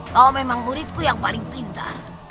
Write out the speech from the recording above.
kau memang muridku yang paling pintar